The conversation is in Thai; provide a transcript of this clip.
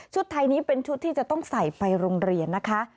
ไทยนี้เป็นชุดที่จะต้องใส่ไปโรงเรียนนะคะ